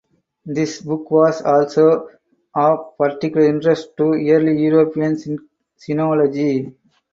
This book was also of particular interest to early European Sinology.